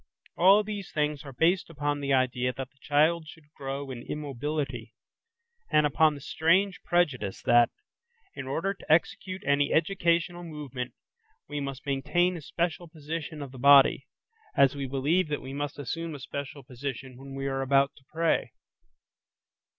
All these things are based upon the idea that the child should grow in immobility, and upon the strange prejudice that, in order to execute any educational movement, we must maintain a special position of the body;–as we believe that we must assume a special position when we are about to pray.